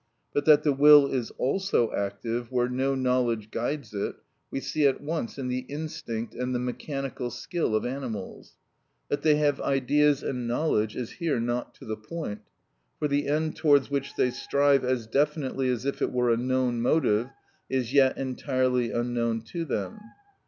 But that the will is also active where no knowledge guides it, we see at once in the instinct and the mechanical skill of animals.(31) That they have ideas and knowledge is here not to the point, for the end towards which they strive as definitely as if it were a known motive, is yet entirely unknown to them.